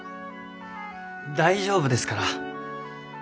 大丈夫ですから。